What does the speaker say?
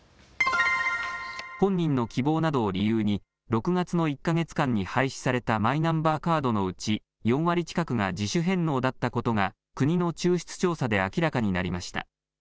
本人の希望などを理由に６月の１か月間に廃止されたマイナンバーカードのうち４割近くが自主返納だったことが国の抽出調査で明らかになりました。